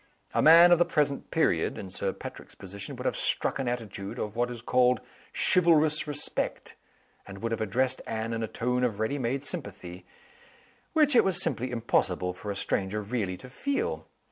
A man of the present period, in Sir Patrick's position, would have struck an attitude of (what is called) chivalrous respect; and would have addressed Anne in a tone of ready made sympathy, which it was simply impossible for a stranger really to feel.